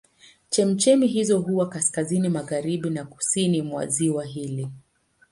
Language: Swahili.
Chemchemi hizo huwa kaskazini magharibi na kusini mwa ziwa hili.